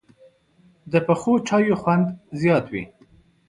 پخو چایو خوند زیات وي